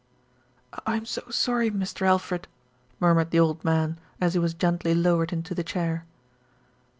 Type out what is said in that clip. "I'm so sorry, Mr. Alfred," murmured the old man, as he was gently lowered into the chair.